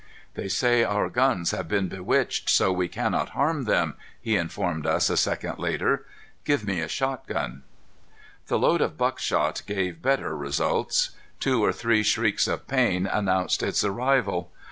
"They say our guns have been bewitched so we cannot harm them," he informed us a second later. "Give me a shotgun." The load of buckshot gave better results. Two or three shrieks of pain announced its arrival.